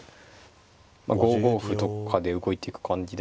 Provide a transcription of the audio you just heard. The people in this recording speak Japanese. まあ５五歩とかで動いていく感じですかね。